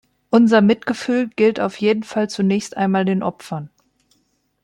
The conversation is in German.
Unser Mitgefühl gilt auf jeden Fall zunächst einmal den Opfern.